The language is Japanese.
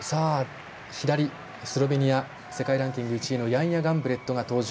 左、スロベニア世界ランキング１位のヤンヤ・ガンブレットが登場。